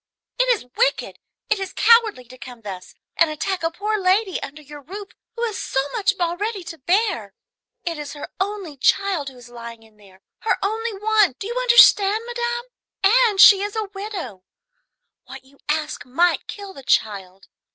"It is wicked, it is cowardly, to come thus and attack a poor lady under your roof who has so much already to bear. It is her only child who is lying in there, her only one, do you understand, madame? and she is a widow. What you ask might kill the child.